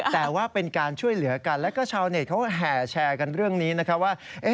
แต่ว่าเป็นการช่วยเหลือกันแล้วก็ชาวเน็ตเขาแห่แชร์กันเรื่องนี้นะครับว่า